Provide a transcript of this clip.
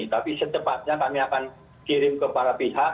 tapi secepatnya kami akan kirim kepada pihak